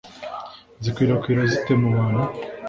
zikwirakwira zite mu bantu